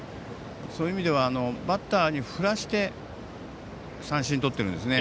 そういう意味ではバッターに振らせて三振をとっているんですね。